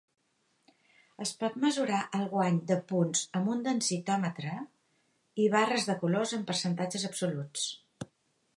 Es pot mesurar el guany de punts amb un densitòmetre i barres de colors en percentatges absoluts.